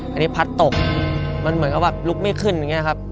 อันนี้พัดตกมันเหมือนกับแบบลุกไม่ขึ้นอย่างนี้ครับ